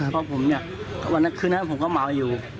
พ่อผมเนี่ยวันนั้นคืนผมก็เมาอยู่